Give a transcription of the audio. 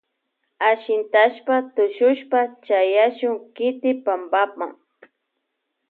Ashintashpa tushushpa chayashun kiti pampama.